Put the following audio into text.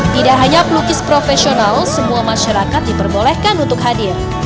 tidak hanya pelukis profesional semua masyarakat diperbolehkan untuk hadir